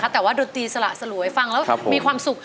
แต่ว่าดฏีสระสะหรับไว้ฟังแล้วมีความสุข